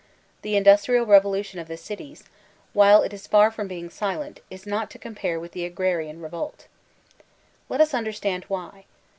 The indna* trial revolution of the cities, while it is far from being silent, is not to compare with the agrarian revolt Let us understand why.